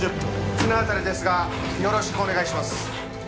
綱渡りですがよろしくお願いします。